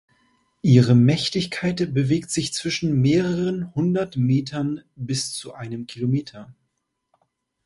Ihre Mächtigkeit bewegt sich zwischen mehreren hundert Metern bis zu einem Kilometer.